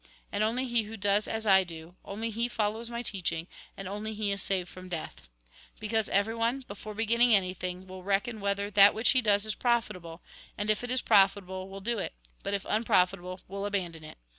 And only he who does as I do, only he follows my teaching, and only he is saved from death. " Because everyone, before beginning anything, will reckon whether that which he does is profitable, and if it is profitable, will do it, but if unprofitable, will abandon it.